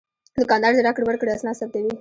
دوکاندار د راکړې ورکړې اسناد ثبتوي.